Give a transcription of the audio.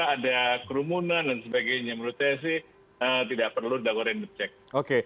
ada kerumunan dan sebagainya menurut saya sih tidak perlu dago random check